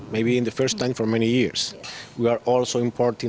mungkin pertama kali dalam beberapa tahun